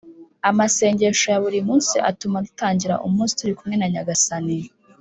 Amasengesho ya buri munsi atuma dutangira umunsi turi kumwe na nyagasani